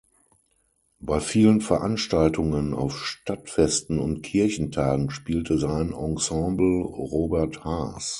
Bei vielen Veranstaltungen auf Stadtfesten und Kirchentagen spielte sein Ensemble Robert Haas.